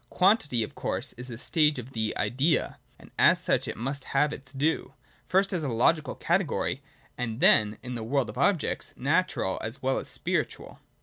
Quantity, of course, is a stage of the Idea : and as such it must have its due, first as a logical category, and then in the world of objects, natural as well as spiritual.